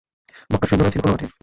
মক্কার সৈন্যরা ছিল খোলামাঠে।